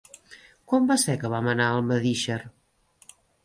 Quan va ser que vam anar a Almedíxer?